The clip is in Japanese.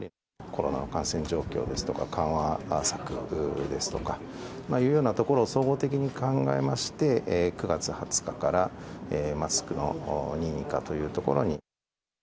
コロナの感染状況ですとか、緩和策ですとかというようなところを総合的に考えまして、９月２０日からマスクの任意化というところに。